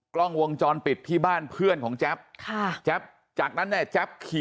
กล้องวงจรปิดที่บ้านเพื่อนของแจ๊บค่ะแจ๊บจากนั้นเนี่ยแจ๊บขี่